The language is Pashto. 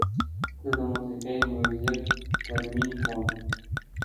زه د موسیقۍ میوزیک تمرین کوم.